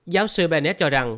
giáo sư bennett cho rằng